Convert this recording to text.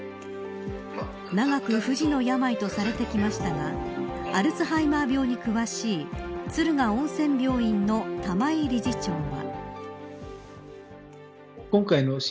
長く不治の病とされてきましたがアルツハイマー病に詳しい敦賀温泉病院の玉井理事長は。